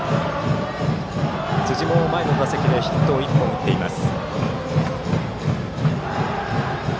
辻も前の打席でヒットを１本打っています。